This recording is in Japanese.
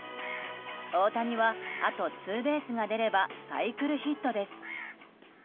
大谷は、あとツーベースが出ればサイクルヒットです。